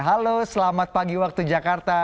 halo selamat pagi waktu jakarta